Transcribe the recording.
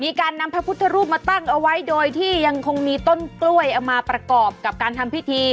มีการนำพระพุทธรูปมาตั้งเอาไว้โดยที่ยังคงมีต้นกล้วยเอามาประกอบกับการทำพิธี